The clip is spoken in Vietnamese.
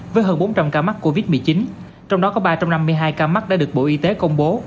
với hơn bốn trăm linh ca mắc covid một mươi chín trong đó có ba trăm năm mươi hai ca mắc đã được bộ y tế công bố